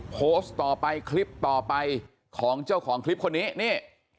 โพสต์ต่อไปคลิปต่อไปของเจ้าของคลิปคนนี้นี่